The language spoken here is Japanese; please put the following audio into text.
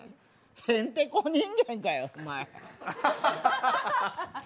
へんてこ人間かよ。